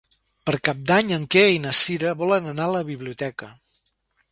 Per Cap d'Any en Quer i na Cira volen anar a la biblioteca.